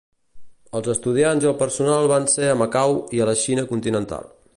Els estudiants i el personal van ser a Macau i a la Xina continental.